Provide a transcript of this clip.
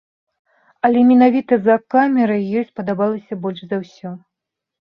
Але менавіта за камерай ёй спадабалася больш за ўсё.